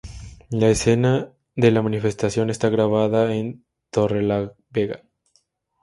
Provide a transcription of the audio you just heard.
La escena de la manifestación está grabada en Torrelavega.